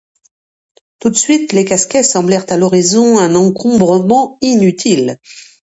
Tout de suite les Casquets semblèrent à l’horizon un encombrement inutile.